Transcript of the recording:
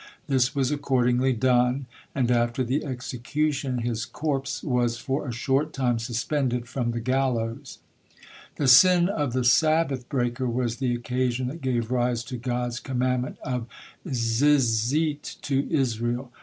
This was accordingly done, and after the execution his corps was for a short time suspended from the gallows. The sin of the Sabbath breaker was the occasion that gave rise to God's commandment of Zizit to Israel.